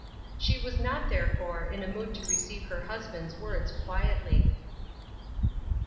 She was not, therefore, in a mood to receive her hus band's words quietly.